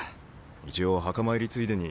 一応墓参りついでに。